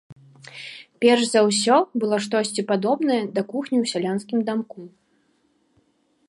Перш за ўсё было штосьці падобнае да кухні ў сялянскім дамку.